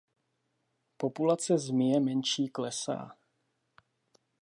Populace Zmije menší klesá.